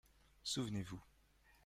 Souvenez-vous.